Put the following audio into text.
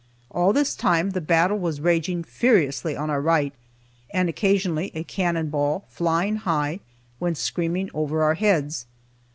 All this time the battle was raging furiously on our right, and occasionally a cannon ball, flying high, went screaming over our heads.